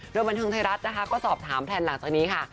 โดยบันเทิงไทยรัฐนะคะก็สอบถามแพลนหลังจากนี้ค่ะ